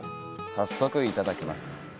早速、いただきます！